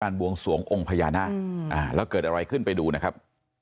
บวงสวงองค์พญานาคแล้วเกิดอะไรขึ้นไปดูนะครับ